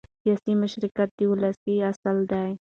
سیاسي مشارکت د ولسواکۍ اصل دی